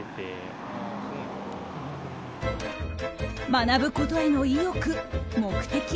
学ぶことへの意欲、目的。